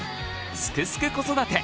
「すくすく子育て」